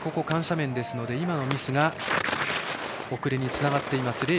緩斜面でしたので今のミスが遅れにつながってます。